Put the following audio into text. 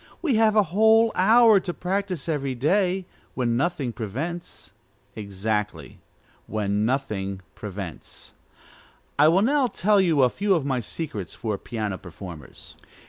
We have a whole hour to practise every day, when nothing prevents." Exactly, when nothing prevents. I will now tell you a few of my secrets for piano performers.